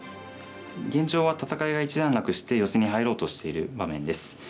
現状は戦いが一段落してヨセに入ろうとしている場面です。